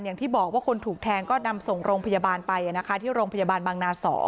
อย่างที่บอกว่าคนถูกแทงก็นำส่งโรงพยาบาลไปที่โรงพยาบาลบางนา๒